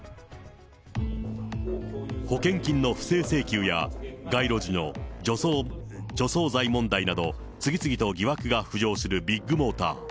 保険金の不正請求や街路樹の除草剤問題など、次々と疑惑が浮上するビッグモーター。